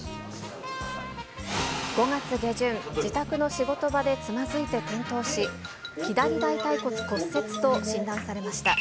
５月下旬、自宅の仕事場でつまずいて転倒し、左大たい骨骨折と診断されました。